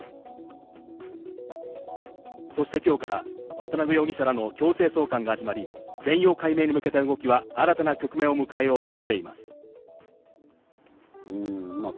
そして今日から渡辺容疑者らの強制送還が始まり、全容解明に向けた動きは新たな局面を迎えようとしています。